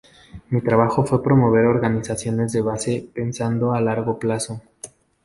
Mi trabajo fue promover organizaciones de base pensando a largo plazo.